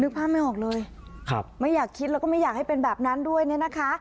ภาพไม่ออกเลยครับไม่อยากคิดแล้วก็ไม่อยากให้เป็นแบบนั้นด้วยเนี่ยนะคะ